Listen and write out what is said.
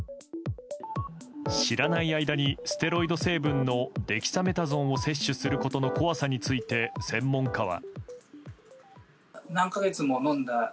知らない間にステロイド成分のデキサメタゾンを摂取することの怖さについて専門家は。